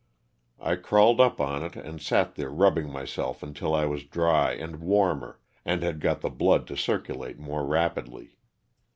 I crawled up on it and sat there rubbing myself until I was dry and warmer and had got the blood to circulate more rapidly.